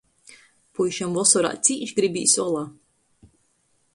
Puišam vosorā cīš gribīs ola.